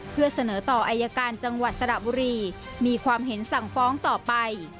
เพื่อเสนอต่ออายการจังหวัดสระบุรีมีความเห็นสั่งฟ้องต่อไป